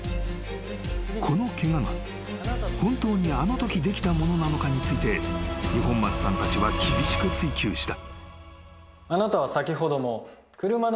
［このケガが本当にあのときできたものなのかについて二本松さんたちは厳しく追及した］